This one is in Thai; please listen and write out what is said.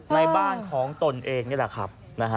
ในบ้านของตนเองนี่แหละครับ